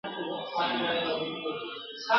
ته به هېر یې له زمانه خاطره به دي پردۍ وي !.